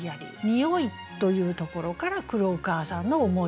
「におい」というところから来るお母さんの思い。